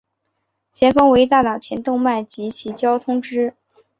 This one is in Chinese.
前方为大脑前动脉及其交通支。